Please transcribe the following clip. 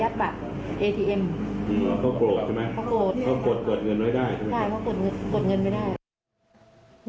ใช่เขากดเงินไว้ได้